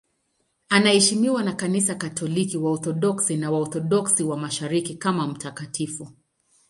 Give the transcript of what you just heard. Anaheshimiwa na Kanisa Katoliki, Waorthodoksi na Waorthodoksi wa Mashariki kama mtakatifu.